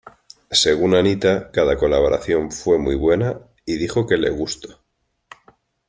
Según Anitta cada colaboración fue muy buena y dijo que le gusto.